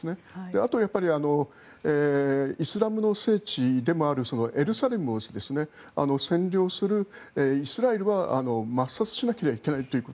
あとはやはりイスラムの聖地であるエルサレムを占領するイスラエルは抹殺しなければいけないと。